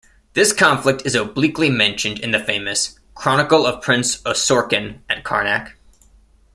This conflict is obliquely mentioned in the famous "Chronicle of Prince Osorkon" at Karnak.